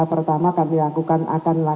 pertama kami lakukan akan